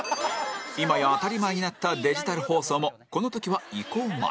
今や当たり前になったデジタル放送もこの時は移行前